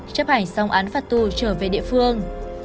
chấp hành xong án phạt tù trở về địa phương